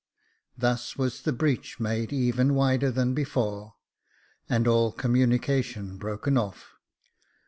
Thus was the breach made even wider than before, and all communication broken off.